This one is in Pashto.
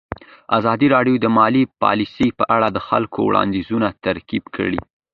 ازادي راډیو د مالي پالیسي په اړه د خلکو وړاندیزونه ترتیب کړي.